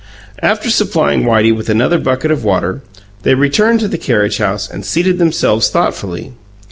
After supplying Whitey with another bucket of water, they returned to the carriage house and seated themselves thoughtfully.